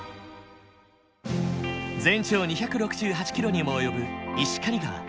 全長２６８キロにも及ぶ石狩川。